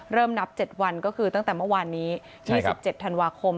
เริ่มนับ๗วันก็คือตั้งแต่เมื่อวานนี้๒๗ธันวาคม